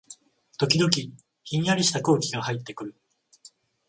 時々、ひんやりした空気がはいってくる